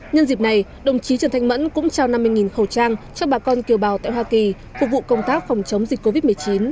nhân dịp này đồng chí trần thanh mẫn cũng trao năm mươi khẩu trang cho bà con kiều bào tại hoa kỳ phục vụ công tác phòng chống dịch covid một mươi chín